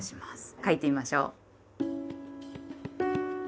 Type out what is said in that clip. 書いてみましょう。